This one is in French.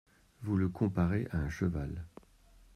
Vous le comparez à un cheval !